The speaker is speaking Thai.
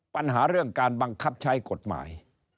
ปัญหาเรื่องการบังคับใช้กฎหมาย